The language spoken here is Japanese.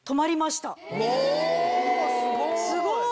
おすごい！